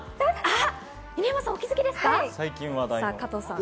犬山さん、お気づきですか？